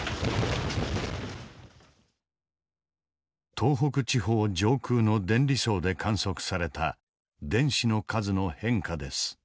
東北地方上空の電離層で観測された電子の数の変化です。